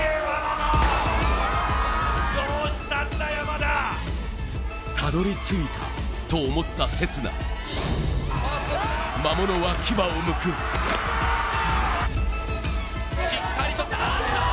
どうしたんだ山田たどり着いたと思った刹那魔物は牙をむくしっかりとおっとー！